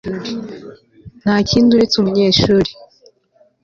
Ntakindi uretse umunyeshuri